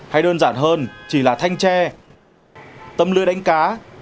hay đơn giản hơn chỉ là thanh tre tâm lưới đánh cá